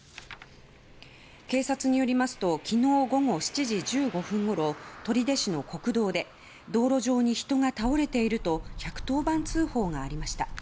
警察によりますと昨日午後７時１５分ごろ取手市の国道で道路上に人が倒れていると１１０番通報がありました。